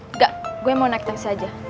enggak gue mau naik tas aja